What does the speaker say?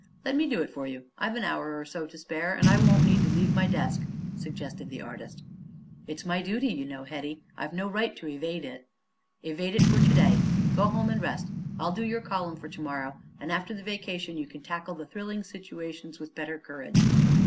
"Let me do it for you. I've an hour or so to spare and I won't need to leave my desk," suggested the artist. "It is my duty, you know, Hetty, and I've no right to evade it." "Evade it for to day. Go home and rest. I'll do your column for to morrow, and after the vacation you can tackle the thrilling situations with better courage."